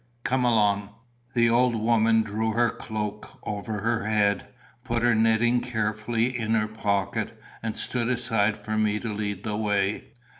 Come along." The old woman drew her cloak over her head, put her knitting carefully in her pocket, and stood aside for me to lead the way.